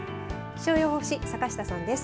気象予報士、坂下さんです。